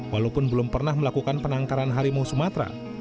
walaupun belum pernah melakukan penangkaran harimau sumatera